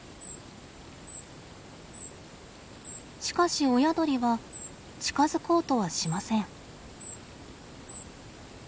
しかし親鳥は近づこうとはしません。